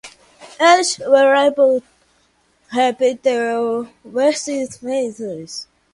Eilish would rap the verse of Vince Staples.